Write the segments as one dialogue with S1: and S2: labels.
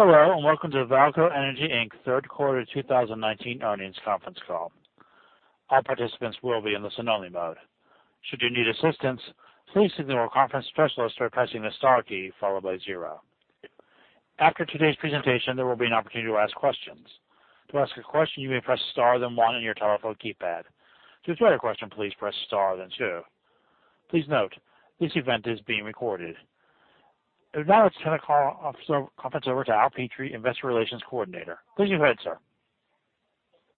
S1: Hello, welcome to VAALCO Energy Inc. third quarter 2019 earnings conference call. All participants will be in listen-only mode. Should you need assistance, please signal a conference specialist by pressing the star key, followed by zero. After today's presentation, there will be an opportunity to ask questions. To ask a question, you may press star, then one on your telephone keypad. To withdraw your question, please press star, then two. Please note, this event is being recorded. Now let's turn the call conference over to Al Petrie, Investor Relations Coordinator. Please go ahead, sir.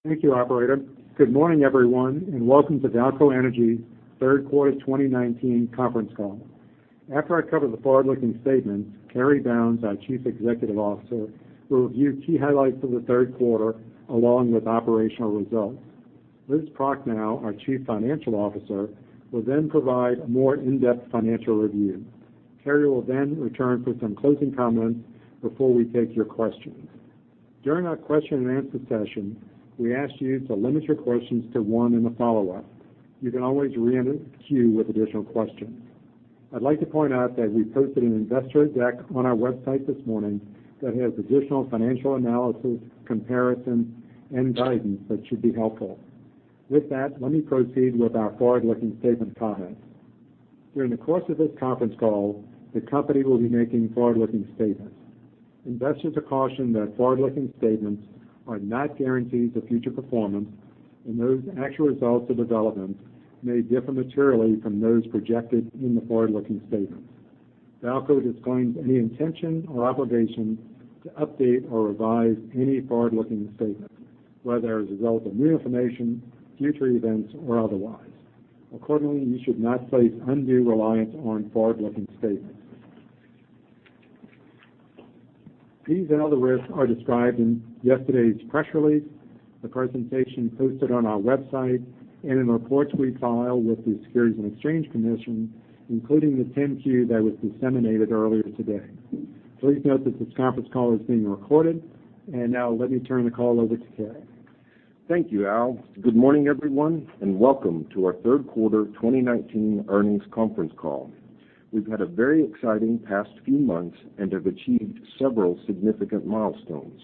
S2: Thank you, operator. Welcome to VAALCO Energy third quarter 2019 conference call. After I cover the forward-looking statements, Cary Bounds, our Chief Executive Officer, will review key highlights of the third quarter, along with operational results. Liz Prochnow, our Chief Financial Officer, will provide a more in-depth financial review. Cary will return for some closing comments before we take your questions. During our question and answer session, we ask you to limit your questions to one and a follow-up. You can always reenter queue with additional questions. I'd like to point out that we posted an investor deck on our website this morning that has additional financial analysis, comparisons, and guidance that should be helpful. Let me proceed with our forward-looking statement comments. During the course of this conference call, the company will be making forward-looking statements. Investors are cautioned that forward-looking statements are not guarantees of future performance, and those actual results or developments may differ materially from those projected in the forward-looking statements. VAALCO disclaims any intention or obligation to update or revise any forward-looking statement, whether as a result of new information, future events, or otherwise. Accordingly, you should not place undue reliance on forward-looking statements. These and other risks are described in yesterday's press release, the presentation posted on our website, and in reports we file with the Securities and Exchange Commission, including the 10-Q that was disseminated earlier today. Please note that this conference call is being recorded, and now let me turn the call over to Cary.
S3: Thank you, Al Petrie. Good morning, everyone, and welcome to our third quarter 2019 earnings conference call. We've had a very exciting past few months and have achieved several significant milestones.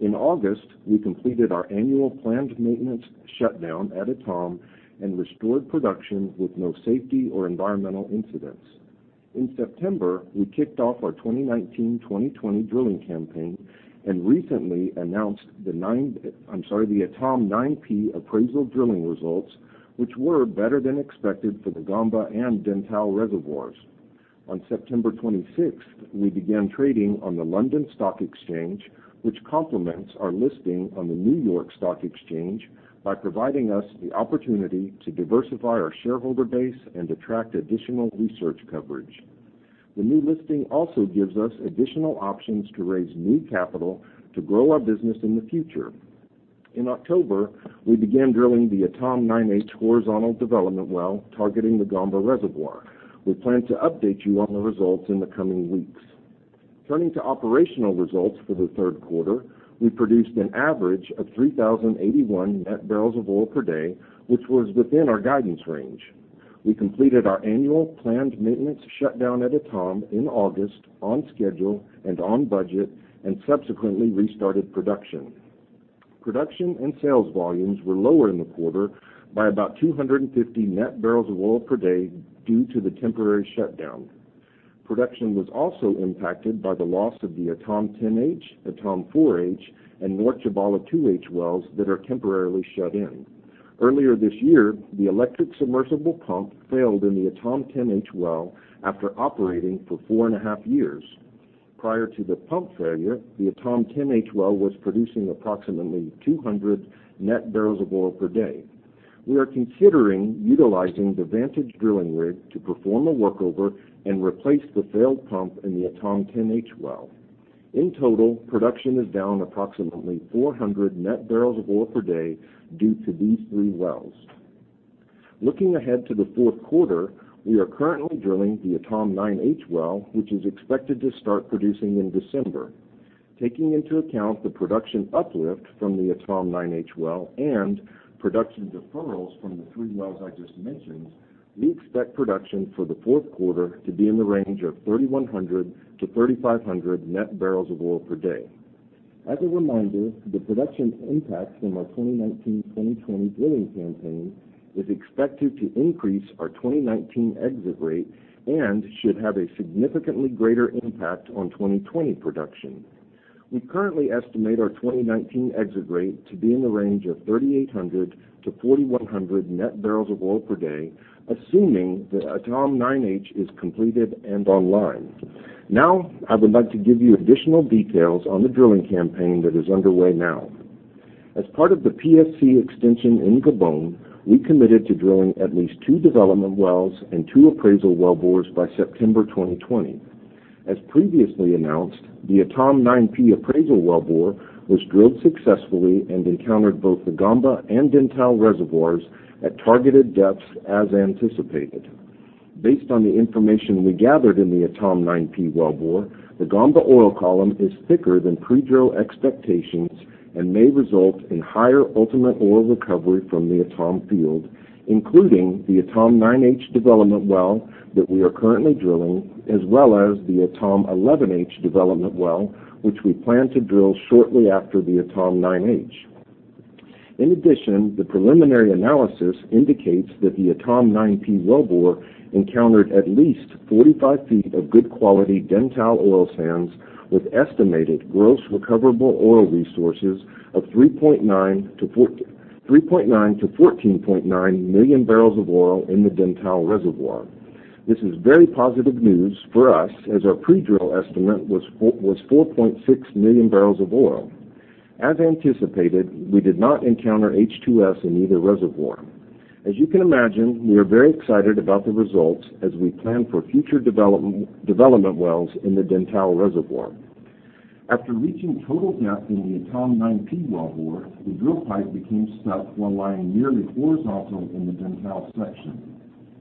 S3: In August, we completed our annual planned maintenance shutdown at Etame and restored production with no safety or environmental incidents. In September, we kicked off our 2019/2020 drilling campaign and recently announced the Etame 9P appraisal drilling results, which were better than expected for the Gamba and Dentale reservoirs. On September 26th, we began trading on the London Stock Exchange, which complements our listing on the New York Stock Exchange by providing us the opportunity to diversify our shareholder base and attract additional research coverage. The new listing also gives us additional options to raise new capital to grow our business in the future. In October, we began drilling the Etame 9H horizontal development well targeting the Gamba reservoir. We plan to update you on the results in the coming weeks. Turning to operational results for the third quarter, we produced an average of 3,081 net barrels of oil per day, which was within our guidance range. We completed our annual planned maintenance shutdown at Etame in August on schedule and on budget, and subsequently restarted production. Production and sales volumes were lower in the quarter by about 250 net barrels of oil per day due to the temporary shutdown. Production was also impacted by the loss of the Etame 10H, Etame 4H, and North Tchibala 2H wells that are temporarily shut in. Earlier this year, the electric submersible pump failed in the Etame 10H well after operating for four and a half years. Prior to the pump failure, the Etame 10H well was producing approximately 200 net barrels of oil per day. We are considering utilizing the Vantage drilling rig to perform a workover and replace the failed pump in the Etame 10H well. In total, production is down approximately 400 net barrels of oil per day due to these three wells. Looking ahead to the fourth quarter, we are currently drilling the Etame 9H well, which is expected to start producing in December. Taking into account the production uplift from the Etame 9H well and production deferrals from the three wells I just mentioned, we expect production for the fourth quarter to be in the range of 3,100-3,500 net barrels of oil per day. As a reminder, the production impact from our 2019/2020 drilling campaign is expected to increase our 2019 exit rate and should have a significantly greater impact on 2020 production. We currently estimate our 2019 exit rate to be in the range of 3,800-4,100 net barrels of oil per day, assuming the Etame 9H is completed and online. Now, I would like to give you additional details on the drilling campaign that is underway now. As part of the PSC extension in Gabon, we committed to drilling at least two development wells and two appraisal wellbores by September 2020. As previously announced, the Etame 9P appraisal wellbore was drilled successfully and encountered both the Gamba and Dentale reservoirs at targeted depths as anticipated. Based on the information we gathered in the Etame 9P wellbore, the Gamba oil column is thicker than pre-drill expectations and may result in higher ultimate oil recovery from the Etame field, including the Etame 9H development well that we are currently drilling, as well as the Etame 11H development well, which we plan to drill shortly after the Etame 9H. The preliminary analysis indicates that the Etame 9P wellbore encountered at least 45 feet of good quality Dentale oil sands with estimated gross recoverable oil resources of 3.9-14.9 million barrels of oil in the Dentale reservoir. This is very positive news for us as our pre-drill estimate was 4.6 million barrels of oil. As anticipated, we did not encounter H2S in either reservoir. As you can imagine, we are very excited about the results as we plan for future development wells in the Dentale reservoir. After reaching total depth in the Etame 9P wellbore, the drill pipe became stuck while lying nearly horizontal in the Dentale section.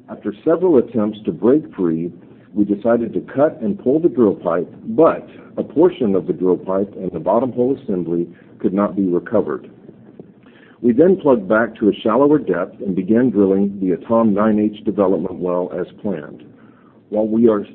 S3: After several attempts to break free, we decided to cut and pull the drill pipe, but a portion of the drill pipe and the bottom hole assembly could not be recovered. We plugged back to a shallower depth and began drilling the Etame 9H development well as planned. While we are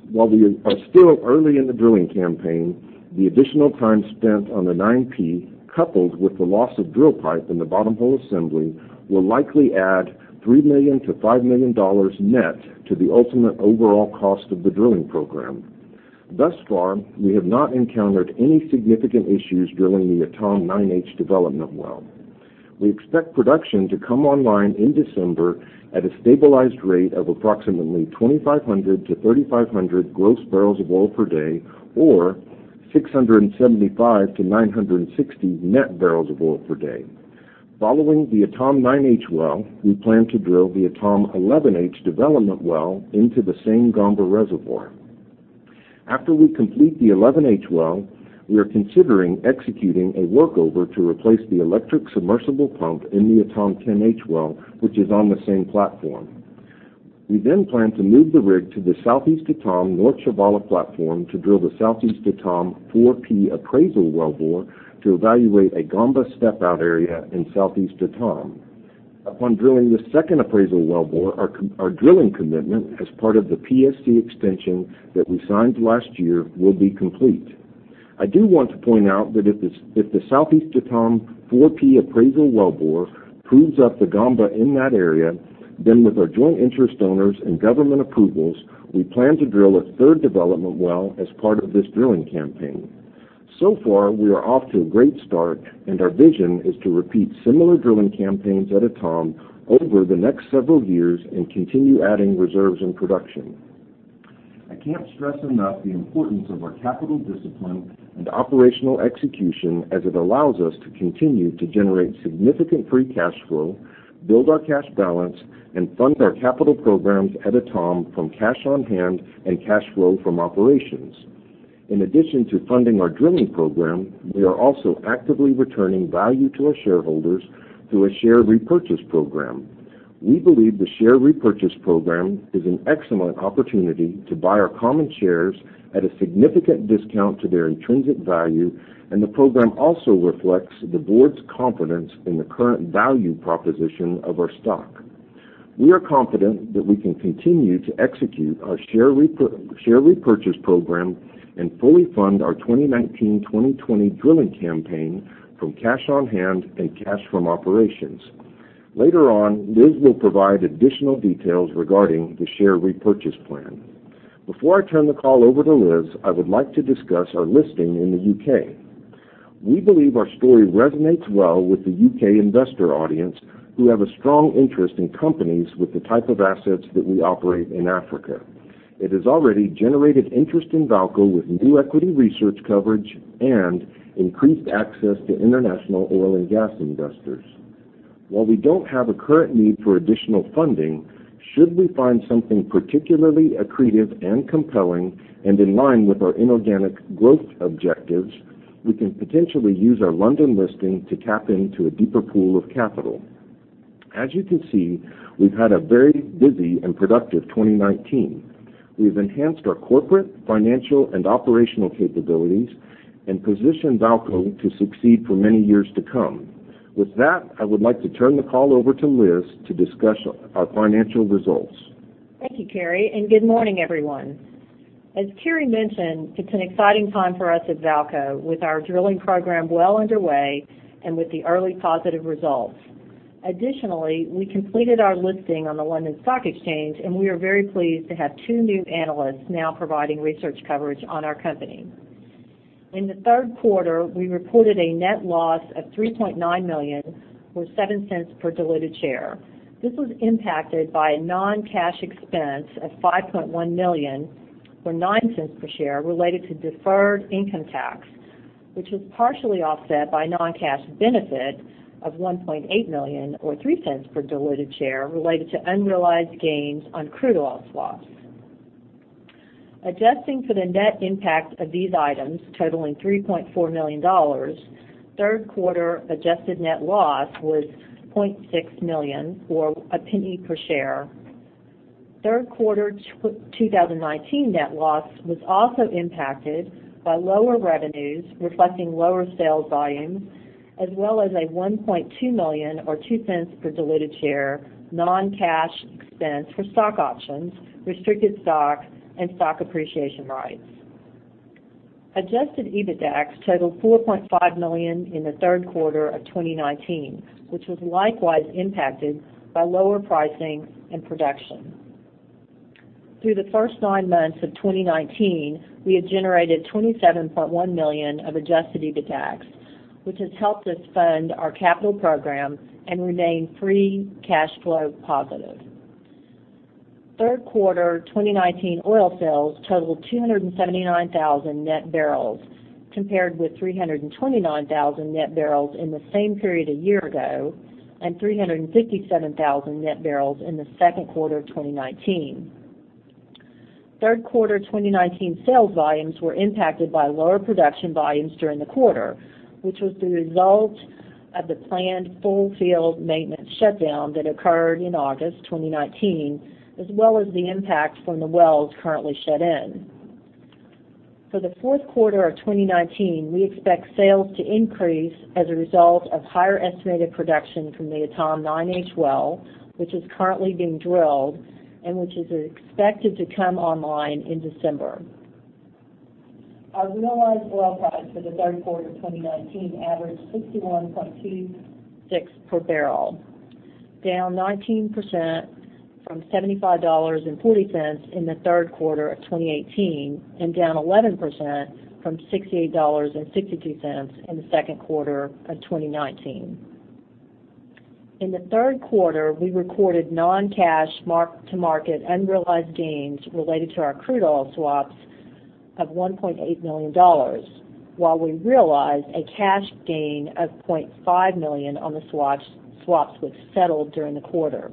S3: still early in the drilling campaign, the additional time spent on the 9P, coupled with the loss of drill pipe in the bottom hole assembly, will likely add $3 million-$5 million net to the ultimate overall cost of the drilling program. Thus far, we have not encountered any significant issues drilling the Etame 9H development well. We expect production to come online in December at a stabilized rate of approximately 2,500 to 3,500 gross barrels of oil per day, or 675 to 960 net barrels of oil per day. Following the Etame 9H well, we plan to drill the Etame 11H development well into the same Gamba reservoir. After we complete the 11H well, we are considering executing a workover to replace the electric submersible pump in the Etame 10H well, which is on the same platform. We then plan to move the rig to the Southeast Etame North Tchibala platform to drill the Southeast Etame 4P appraisal wellbore to evaluate a Gamba step-out area in Southeast Etame. Upon drilling the second appraisal wellbore, our drilling commitment as part of the PSC extension that we signed last year will be complete. I do want to point out that if the Southeast Etame 4P appraisal wellbore proves up the Gamba in that area, then with our joint interest owners and government approvals, we plan to drill a third development well as part of this drilling campaign. So far, we are off to a great start, and our vision is to repeat similar drilling campaigns at Etame over the next several years and continue adding reserves and production. I can't stress enough the importance of our capital discipline and operational execution, as it allows us to continue to generate significant free cash flow, build our cash balance, and fund our capital programs at Etame from cash on hand and cash flow from operations. In addition to funding our drilling program, we are also actively returning value to our shareholders through a share repurchase program. We believe the share repurchase program is an excellent opportunity to buy our common shares at a significant discount to their intrinsic value, and the program also reflects the board's confidence in the current value proposition of our stock. We are confident that we can continue to execute our share repurchase program and fully fund our 2019-2020 drilling campaign from cash on hand and cash from operations. Later on, Liz will provide additional details regarding the share repurchase plan. Before I turn the call over to Liz, I would like to discuss our listing in the U.K. We believe our story resonates well with the U.K. investor audience who have a strong interest in companies with the type of assets that we operate in Africa. It has already generated interest in VAALCO with new equity research coverage and increased access to international oil and gas investors. While we don't have a current need for additional funding, should we find something particularly accretive and compelling and in line with our inorganic growth objectives, we can potentially use our London listing to tap into a deeper pool of capital. As you can see, we've had a very busy and productive 2019. We've enhanced our corporate, financial, and operational capabilities and positioned VAALCO to succeed for many years to come. With that, I would like to turn the call over to Liz to discuss our financial results.
S4: Thank you, Cary. Good morning, everyone. As Cary mentioned, it's an exciting time for us at VAALCO with our drilling program well underway and with the early positive results. Additionally, we completed our listing on the London Stock Exchange, and we are very pleased to have two new analysts now providing research coverage on our company. In the third quarter, we reported a net loss of $3.9 million, or $0.07 per diluted share. This was impacted by a non-cash expense of $5.1 million, or $0.09 per share, related to deferred income tax, which was partially offset by non-cash benefit of $1.8 million, or $0.03 per diluted share, related to unrealized gains on crude oil swaps. Adjusting for the net impact of these items totaling $3.4 million, third quarter adjusted net loss was $0.6 million, or $0.01 per share. Third quarter 2019 net loss was also impacted by lower revenues reflecting lower sales volume, as well as a $1.2 million, or $0.02 per diluted share, non-cash expense for stock options, restricted stock, and stock appreciation rights. Adjusted EBITDA totaled $4.5 million in the third quarter of 2019, which was likewise impacted by lower pricing and production. Through the first nine months of 2019, we had generated $27.1 million of adjusted EBITDA, which has helped us fund our capital program and remain free cash flow positive. Third quarter 2019 oil sales totaled 279,000 net barrels, compared with 329,000 net barrels in the same period a year ago and 357,000 net barrels in the second quarter of 2019. Third quarter 2019 sales volumes were impacted by lower production volumes during the quarter, which was the result of the planned full field maintenance shutdown that occurred in August 2019, as well as the impact from the wells currently shut in. For the fourth quarter of 2019, we expect sales to increase as a result of higher estimated production from the Etame 9H well, which is currently being drilled and which is expected to come online in December. Our realized oil price for the third quarter of 2019 averaged $61.26 per barrel, down 19% from $75.40 in the third quarter of 2018, and down 11% from $68.62 in the second quarter of 2019. In the third quarter, we recorded non-cash mark-to-market unrealized gains related to our crude oil swaps of $1.8 million, while we realized a cash gain of $0.5 million on the swaps which settled during the quarter.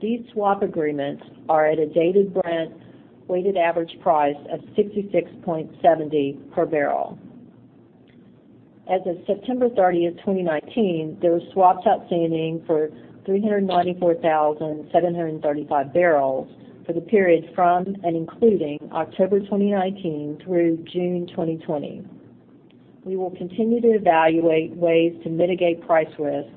S4: These swap agreements are at a Dated Brent weighted average price of $66.70 per barrel. As of September 30th, 2019, there were swaps outstanding for 394,735 barrels for the period from and including October 2019 through June 2020. We will continue to evaluate ways to mitigate price risk,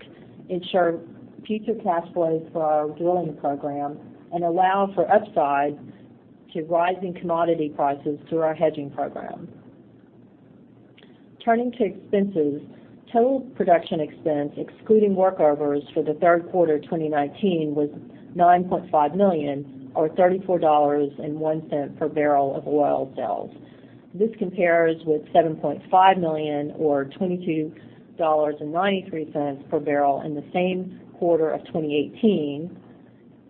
S4: ensure future cash flows for our drilling program, and allow for upside to rising commodity prices through our hedging program. Turning to expenses, total production expense, excluding workovers for the third quarter 2019 was $9.5 million, or $34.01 per barrel of oil sales. This compares with $7.5 million or $22.93 per barrel in the same quarter of 2018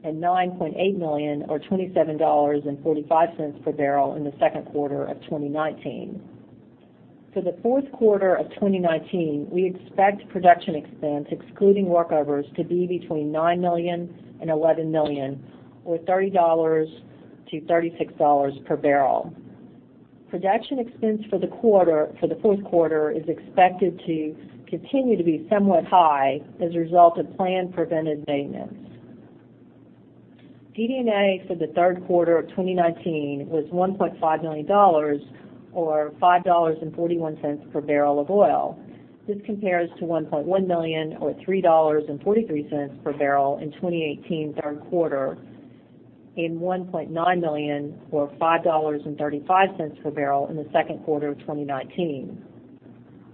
S4: and $9.8 million or $27.45 per barrel in the second quarter of 2019. For the fourth quarter of 2019, we expect production expense excluding workovers to be between $9 million and $11 million, or $30-$36 per barrel. Production expense for the fourth quarter is expected to continue to be somewhat high as a result of planned preventive maintenance. DD&A for the third quarter of 2019 was $1.5 million or $5.41 per barrel of oil. This compares to $1.1 million or $3.43 per barrel in 2018 third quarter, and $1.9 million or $5.35 per barrel in the second quarter of 2019.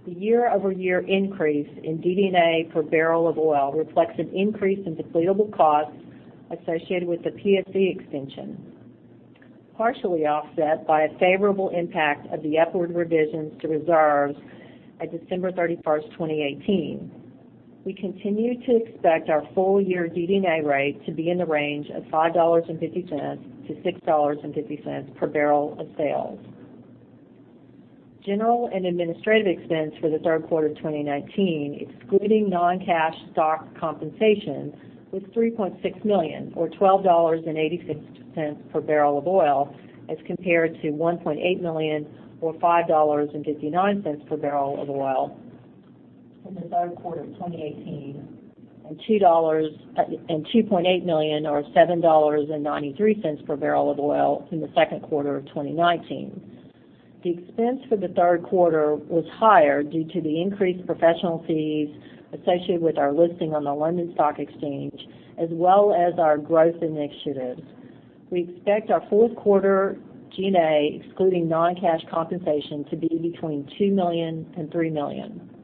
S4: The year-over-year increase in DD&A per barrel of oil reflects an increase in depletable costs associated with the PSC extension, partially offset by a favorable impact of the upward revisions to reserves at December 31st, 2018. We continue to expect our full year DD&A rate to be in the range of $5.50-$6.50 per barrel of sales. General and administrative expense for the third quarter of 2019, excluding non-cash stock compensation, was $3.6 million or $12.86 per barrel of oil, as compared to $1.8 million or $5.59 per barrel of oil in the third quarter of 2018, and $2.8 million or $7.93 per barrel of oil in the second quarter of 2019. The expense for the third quarter was higher due to the increased professional fees associated with our listing on the London Stock Exchange as well as our growth initiatives. We expect our fourth quarter G&A, excluding non-cash compensation, to be between $2 million and $3 million.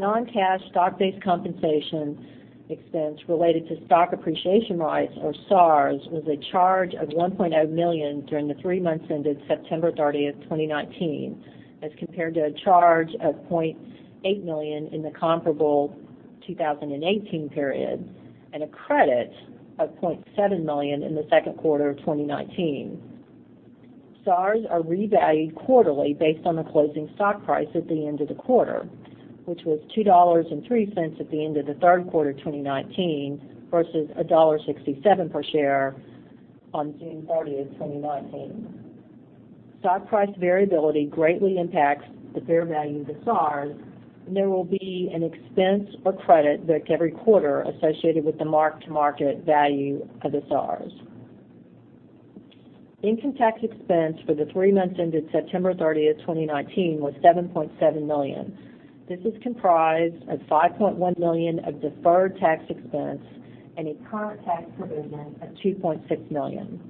S4: Non-cash stock-based compensation expense related to Stock Appreciation Rights, or SARs, was a charge of $1.0 million during the three months ended September 30th, 2019, as compared to a charge of $0.8 million in the comparable 2018 period and a credit of $0.7 million in the second quarter of 2019. SARs are revalued quarterly based on the closing stock price at the end of the quarter, which was $2.03 at the end of the third quarter 2019 versus $1.67 per share on June 30th, 2019. Stock price variability greatly impacts the fair value of the SARs. There will be an expense or credit every quarter associated with the mark-to-market value of the SARs. Income tax expense for the three months ended September 30th, 2019 was $7.7 million. This is comprised of $5.1 million of deferred tax expense and a current tax provision of $2.6 million.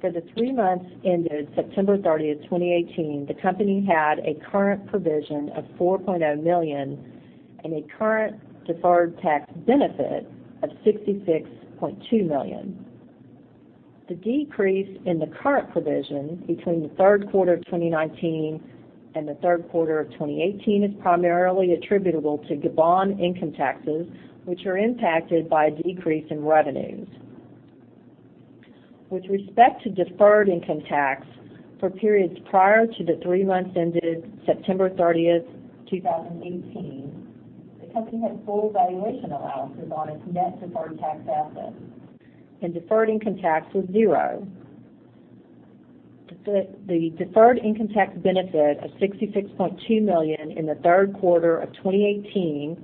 S4: For the three months ended September 30, 2018, the company had a current provision of $4.0 million and a current deferred tax benefit of $66.2 million. The decrease in the current provision between the third quarter of 2019 and the third quarter of 2018 is primarily attributable to Gabon income taxes, which are impacted by a decrease in revenues. With respect to deferred income tax for periods prior to the three months ended September 30, 2018, the company had full valuation allowances on its net deferred tax assets and deferred income tax was zero. The deferred income tax benefit of $66.2 million in the third quarter of 2018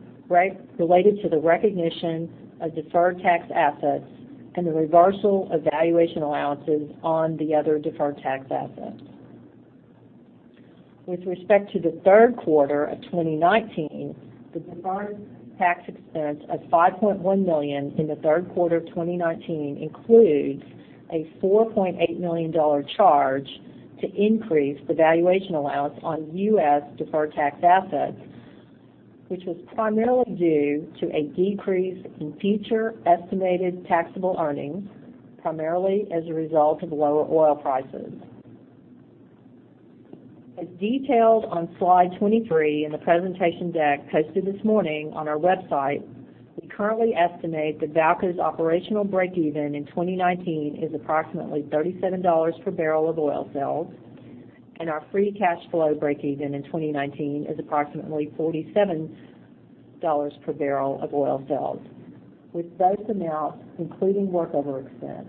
S4: related to the recognition of deferred tax assets and the reversal of valuation allowances on the other deferred tax assets. With respect to the third quarter of 2019, the deferred tax expense of $5.1 million in the third quarter of 2019 includes a $4.8 million charge to increase the valuation allowance on U.S. deferred tax assets, which was primarily due to a decrease in future estimated taxable earnings, primarily as a result of lower oil prices. As detailed on slide 23 in the presentation deck posted this morning on our website, we currently estimate that VAALCO's operational breakeven in 2019 is approximately $37 per barrel of oil sales, and our free cash flow breakeven in 2019 is approximately $47 per barrel of oil sales, with those amounts including workover expense.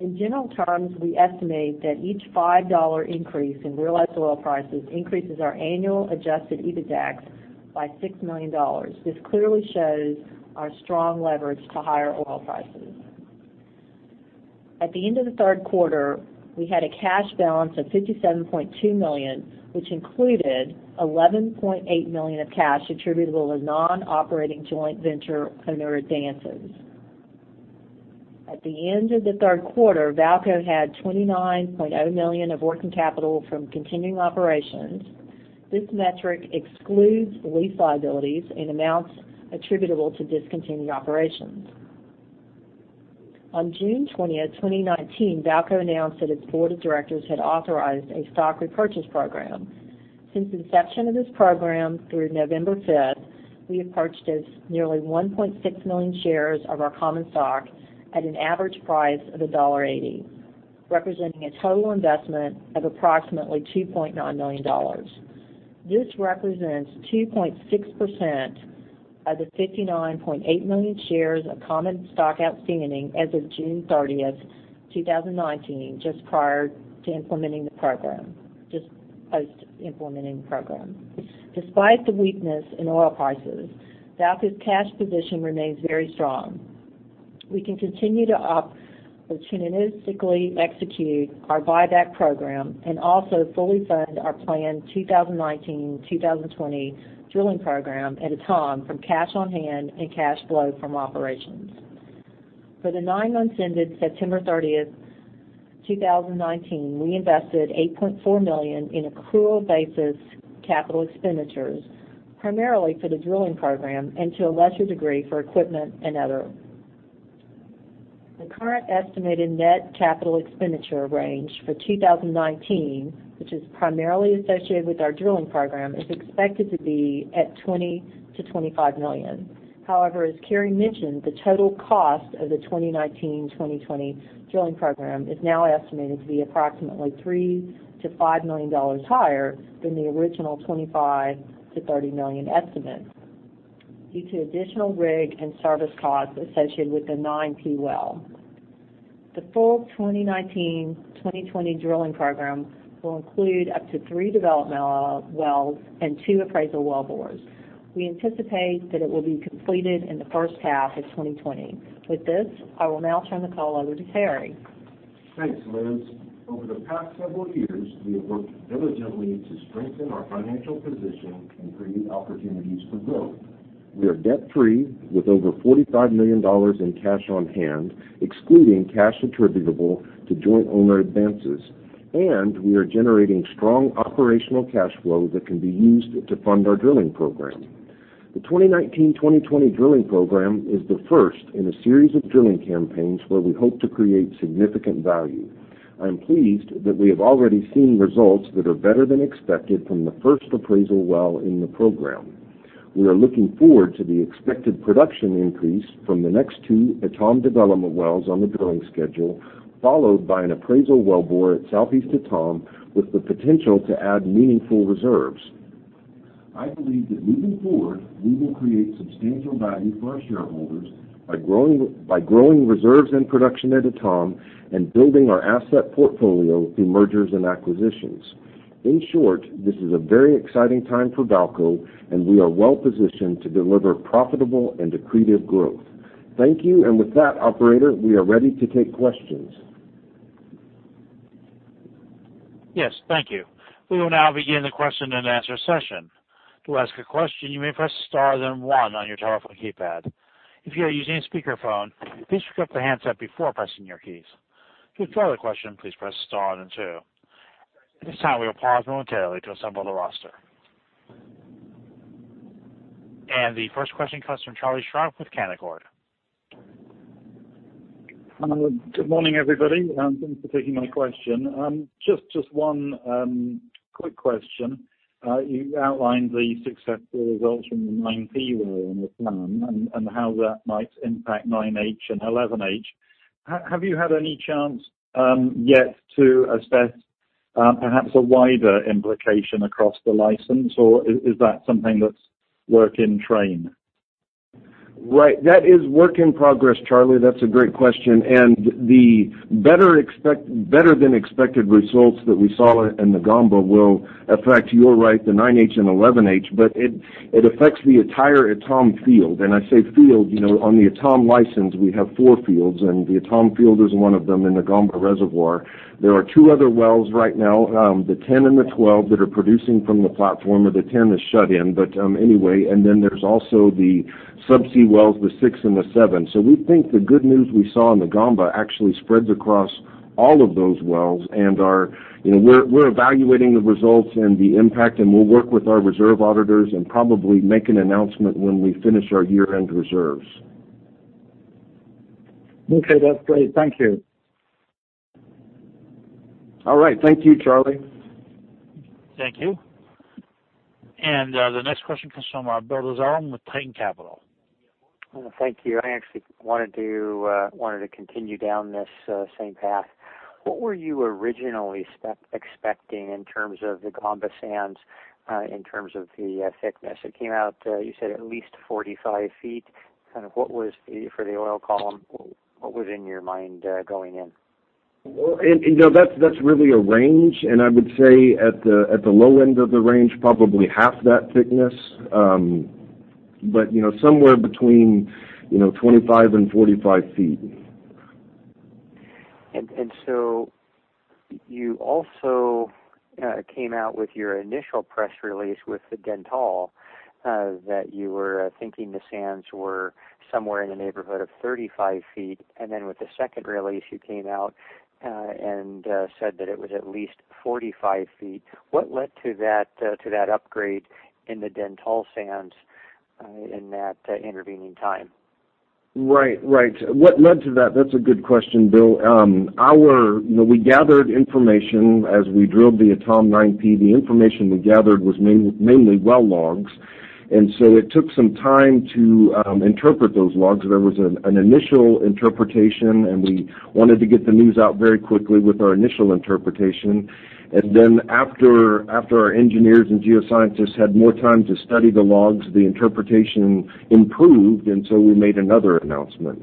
S4: In general terms, we estimate that each $5 increase in realized oil prices increases our annual adjusted EBITDAx by $6 million. This clearly shows our strong leverage to higher oil prices. At the end of the third quarter, we had a cash balance of $57.2 million, which included $11.8 million of cash attributable to non-operating joint venture owner advances. At the end of the third quarter, VAALCO had $29.0 million of working capital from continuing operations. This metric excludes lease liabilities and amounts attributable to discontinued operations. On June 20th, 2019, VAALCO announced that its board of directors had authorized a share repurchase program. Since inception of this program through November 5th, we have purchased nearly 1.6 million shares of our common stock at an average price of $1.80, representing a total investment of approximately $2.9 million. This represents 2.6% of the 59.8 million shares of common stock outstanding as of June 30th, 2019, just post implementing the program. Despite the weakness in oil prices, VAALCO's cash position remains very strong. We can continue to opportunistically execute our buyback program and also fully fund our planned 2019-2020 drilling program at Etame from cash on hand and cash flow from operations. For the nine months ended September 30, 2019, we invested $8.4 million in accrual basis capital expenditures, primarily for the drilling program and to a lesser degree, for equipment and other. The current estimated net capital expenditure range for 2019, which is primarily associated with our drilling program, is expected to be at $20 million-$25 million. As Cary mentioned, the total cost of the 2019-2020 drilling program is now estimated to be approximately $3 million-$5 million higher than the original $25 million-$30 million estimate due to additional rig and service costs associated with the 9P well. The full 2019-2020 drilling program will include up to three developmental wells and two appraisal wellbores. We anticipate that it will be completed in the first half of 2020. With this, I will now turn the call over to Cary.
S3: Thanks, Liz. Over the past several years, we have worked diligently to strengthen our financial position and create opportunities for growth. We are debt-free with over $45 million in cash on hand, excluding cash attributable to joint owner advances, and we are generating strong operational cash flow that can be used to fund our drilling program. The 2019, 2020 drilling program is the first in a series of drilling campaigns where we hope to create significant value. I'm pleased that we have already seen results that are better than expected from the first appraisal well in the program. We are looking forward to the expected production increase from the next two Etame development wells on the drilling schedule, followed by an appraisal wellbore at Southeast Etame with the potential to add meaningful reserves. I believe that moving forward, we will create substantial value for our shareholders by growing reserves and production at Etame and building our asset portfolio through mergers and acquisitions. In short, this is a very exciting time for VAALCO, and we are well positioned to deliver profitable and accretive growth. Thank you. With that operator, we are ready to take questions.
S1: Yes. Thank you. We will now begin the question and answer session. To ask a question, you may press star, then one on your telephone keypad. If you are using a speakerphone, please pick up the handset before pressing your keys. To withdraw the question, please press star and then two. At this time, we will pause momentarily to assemble the roster. The first question comes from Charlie Sharp with Canaccord.
S5: Good morning, everybody, and thanks for taking my question. Just one quick question. You outlined the successful results from the 9P well in the plan and how that might impact 9H and 11H. Have you had any chance, yet to assess perhaps a wider implication across the license, or is that something that's work in train?
S3: Right. That is work in progress, Charlie Sharp. That's a great question. The better than expected results that we saw in the Gamba will affect, you're right, the 9H and 11H, but it affects the entire Etame field. I say field, on the Etame license, we have four fields, and the Etame field is one of them in the Gamba reservoir. There are two other wells right now, the 10 and the 12 that are producing from the platform, or the 10 is shut in. Anyway, there's also the South Tchibala wells, the 6 and the 7. We think the good news we saw in the Gamba actually spreads across all of those wells, and we're evaluating the results and the impact, and we'll work with our reserve auditors and probably make an announcement when we finish our year-end reserves.
S5: Okay. That's great. Thank you.
S3: All right. Thank you, Charlie.
S1: Thank you. The next question comes from Bill Lazarin with Titan Capital.
S6: Thank you. I actually wanted to continue down this same path. What were you originally expecting in terms of the Gamba sands, in terms of the thickness? It came out, you said at least 45 feet. For the oil column, what was in your mind going in?
S3: That's really a range, and I would say at the low end of the range, probably half that thickness. Somewhere between 25 and 45 feet.
S6: You also came out with your initial press release with the Dentale, that you were thinking the sands were somewhere in the neighborhood of 35 feet, and then with the second release, you came out and said that it was at least 45 feet. What led to that upgrade in the Dentale sands in that intervening time?
S3: Right. What led to that? That's a good question, Bill. We gathered information as we drilled the Etame 9P. The information we gathered was mainly well logs, it took some time to interpret those logs. There was an initial interpretation, we wanted to get the news out very quickly with our initial interpretation. After our engineers and geoscientists had more time to study the logs, the interpretation improved, we made another announcement.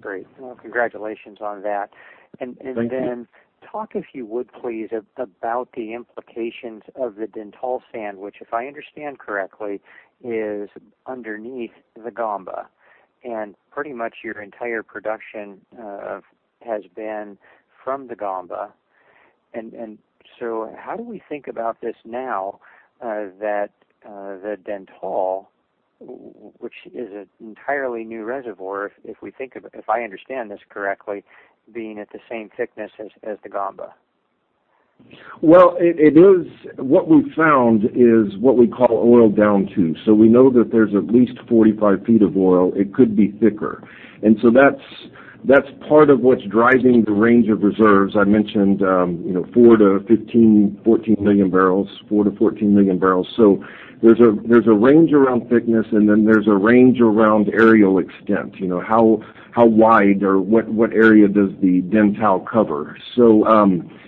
S6: Great. Well, congratulations on that.
S3: Thank you.
S6: Talk, if you would, please, about the implications of the Dentale sand, which, if I understand correctly, is underneath the Gamba. Pretty much your entire production has been from the Gamba. How do we think about this now that the Dentale, which is an entirely new reservoir, if I understand this correctly, being at the same thickness as the Gamba?
S3: Well, what we've found is what we call oil down to. We know that there's at least 45 feet of oil. It could be thicker. That's part of what's driving the range of reserves I mentioned, four to 14 million barrels. There's a range around thickness, and then there's a range around aerial extent. How wide or what area does the Dentale cover?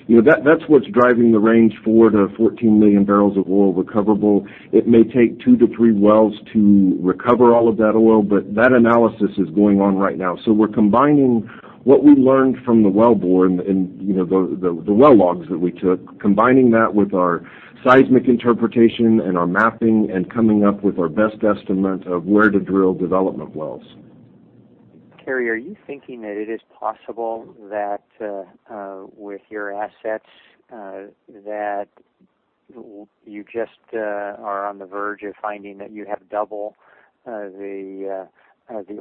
S3: That's what's driving the range four to 14 million barrels of oil recoverable. It may take two to three wells to recover all of that oil, but that analysis is going on right now. We're combining what we learned from the well bore and the well logs that we took, combining that with our seismic interpretation and our mapping, and coming up with our best estimate of where to drill development wells.
S6: Cary, are you thinking that it is possible that with your assets, that you just are on the verge of finding that you have double the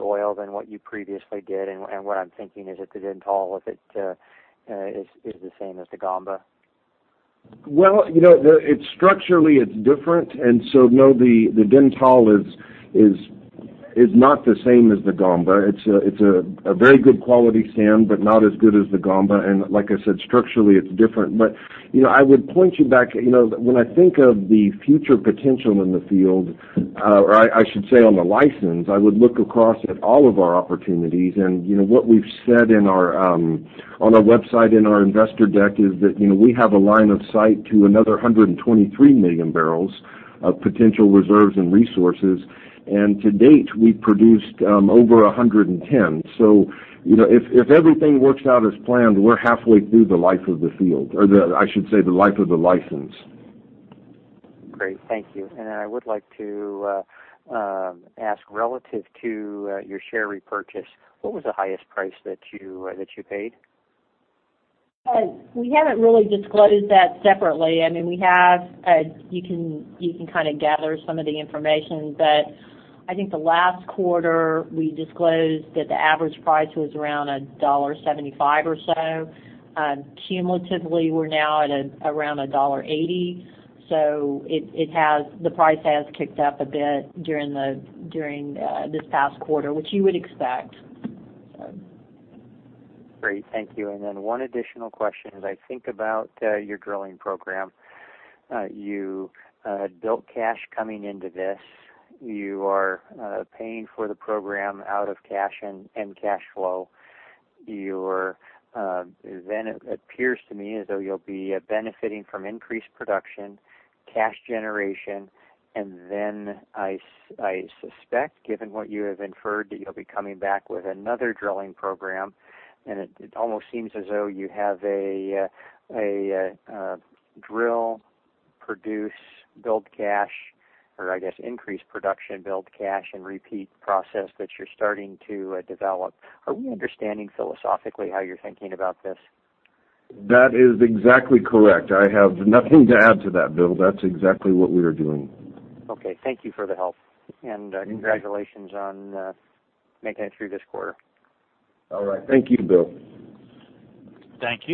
S6: oil than what you previously did? What I'm thinking is if the Dentale is the same as the Gamba.
S3: Structurally, it's different. No, the Dentale is not the same as the Gamba. It's a very good quality sand, but not as good as the Gamba. Like I said, structurally, it's different. I would point you back, when I think of the future potential in the field, or I should say on the license, I would look across at all of our opportunities. What we've said on our website in our investor deck is that we have a line of sight to another 123 million barrels of potential reserves and resources. To date, we've produced over 110. If everything works out as planned, we're halfway through the life of the field, or I should say, the life of the license.
S6: Great. Thank you. I would like to ask, relative to your share repurchase, what was the highest price that you paid?
S4: We haven't really disclosed that separately. You can gather some of the information, but I think the last quarter we disclosed that the average price was around $1.75 or so. Cumulatively, we're now at around $1.80. The price has kicked up a bit during this past quarter, which you would expect.
S6: Great. Thank you. One additional question, as I think about your drilling program. You built cash coming into this. You are paying for the program out of cash and cash flow. It appears to me as though you'll be benefiting from increased production, cash generation. I suspect, given what you have inferred, that you'll be coming back with another drilling program, and it almost seems as though you have a drill, produce, build cash, or I guess, increase production, build cash, and repeat process that you're starting to develop. Are we understanding philosophically how you're thinking about this?
S3: That is exactly correct. I have nothing to add to that, Bill. That's exactly what we are doing.
S6: Okay. Thank you for the help. Congratulations on making it through this quarter.
S3: All right. Thank you, Bill.
S1: Thank you.